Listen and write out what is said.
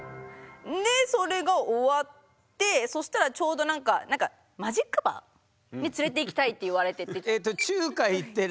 でそれが終わってそしたらちょうどなんかマジックバーに連れていきたいって言われて。